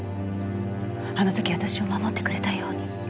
あの時私を守ってくれたように。